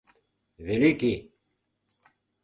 Великий!